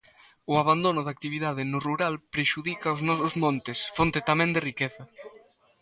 O abandono da actividade no rural prexudica os nosos montes, fonte tamén de riqueza.